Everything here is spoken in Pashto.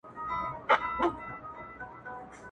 • يا په دار لكه منصور يا به سنگسار وي -